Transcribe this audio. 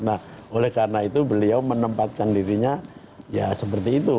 nah oleh karena itu beliau menempatkan dirinya ya seperti itu